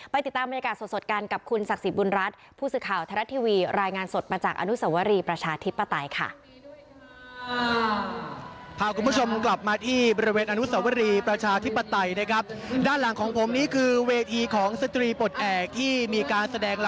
ติดตามบรรยากาศสดกันกับคุณศักดิ์สิทธิบุญรัฐผู้สื่อข่าวไทยรัฐทีวีรายงานสดมาจากอนุสวรีประชาธิปไตยค่ะ